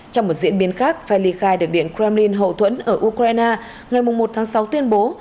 trong một diễn biến khác phe ly khai điện kremlin hậu thuẫn ở ukraine ngày một một sáu tuyên bố